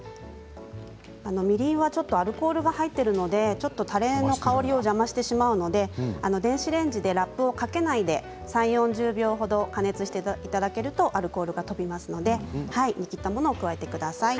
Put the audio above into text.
みりんはちょっとアルコールが入っているのでちょっと、たれの香りを邪魔してしまうので電子レンジでラップをかけないで３０、４０秒ぐらい加熱していただけるとアルコールが飛びますので煮きったものを加えてください。